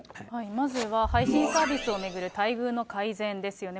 まずは配信サービスを巡る待遇の改善ですよね。